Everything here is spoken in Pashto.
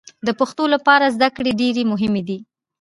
د پښتنو لپاره زدکړې ډېرې مهمې دي